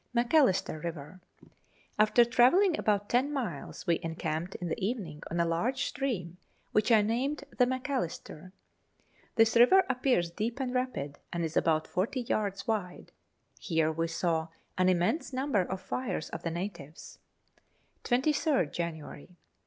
Macalister River. After travelling about ten miles we encamped in the evening on a large stream, which I named the Macalister. This river appears deep and rapid, and is about 40 yards wide. Here we saw an immense number of fires of the natives. 23rd January.